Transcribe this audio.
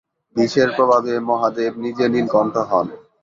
বিষের প্রভাবে মহাদেব নিজে নীলকণ্ঠ হন।